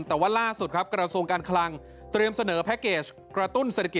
แต่ว่าล่าสุดครับกระทรวงการคลังเตรียมเสนอแพ็คเกจกระตุ้นเศรษฐกิจ